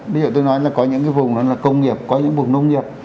ví dụ tôi nói là có những cái vùng đó là công nghiệp có những vực nông nghiệp